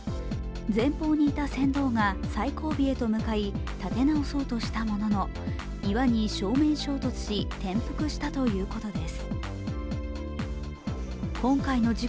前方にいた船頭が最後尾へと向かい立て直そうとしたものの、岩に正面衝突し転覆したということです。